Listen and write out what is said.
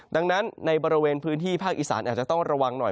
ดังนั้นในบริเวณพื้นที่ภาคอีสานอาจจะต้องระวังหน่อย